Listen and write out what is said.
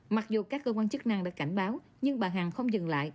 mặc dù các cơ quan chức năng đã cảnh báo nhưng bà hằng không dừng lại